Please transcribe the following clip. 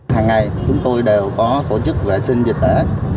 hàng ngày chúng tôi đều có tổ chức vệ sinh dịch tễ